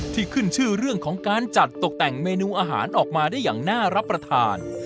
ขึ้นชื่อเรื่องของการจัดตกแต่งเมนูอาหารออกมาได้อย่างน่ารับประทาน